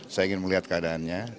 saya ingin melihat keadaannya